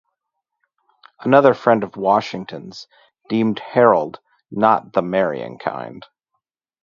Another friend of Washington's deemed Harold not the marrying kind.